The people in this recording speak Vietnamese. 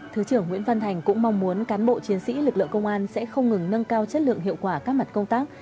thứ trưởng nguyễn văn thành cũng mong muốn cán bộ chiến sĩ lực lượng công an sẽ không ngừng nâng cao chất lượng hiệu quả các mặt công tác